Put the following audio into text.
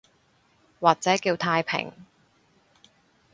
或者叫太平